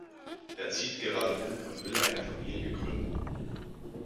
Er zieht gerade um und will eine Familie gründen.